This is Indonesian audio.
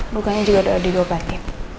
lukanya juga udah digobakin